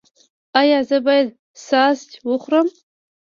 ایا زه باید ساسج وخورم؟